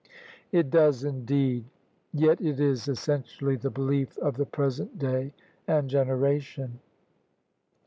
" It does indeed : yet it is essentially the belief of the present day and generation."